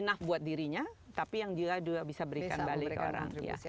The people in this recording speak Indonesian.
enough buat dirinya tapi yang gila juga bisa berikan balik ke orang